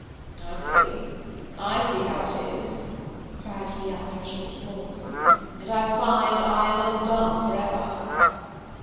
"I see, I see how it is," cried he, after a short pause, "and I find I am undone for ever!"